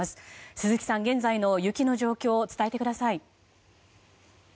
鈴木さん、現在の雪の状況を伝えてください。